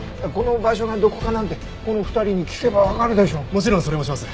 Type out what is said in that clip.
もちろんそれもします。